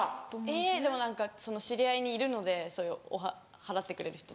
えっでも何か知り合いにいるのでそういうはらってくれる人。